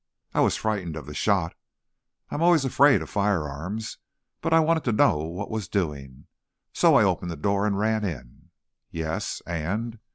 I was frightened of the shot, I always am afraid of firearms, but I wanted to know what was doing. So, I opened the door and ran in " "Yes; and?"